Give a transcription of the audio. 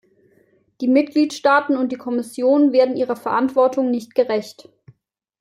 Die Mitgliedstaaten und die Kommission werden ihrer Verantwortung nicht gerecht.